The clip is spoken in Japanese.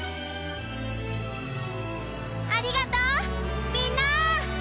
ありがとうみんな！